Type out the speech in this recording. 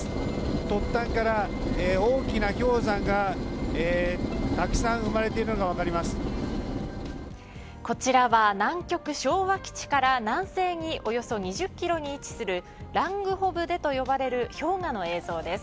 突端から大きな氷山がたくさん生まれているのがこちらは南極昭和基地から南西におよそ２０キロに位置するラングホブデと呼ばれる氷河の映像です。